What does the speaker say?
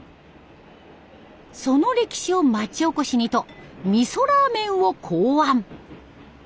その歴史を町おこしにとみそラーメンを考案。